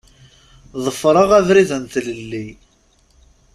Ḍefreɣ abrid n tlelli.